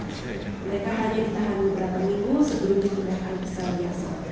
mereka hanya ditahan beberapa minggu sebelum ditunjukan secara biasa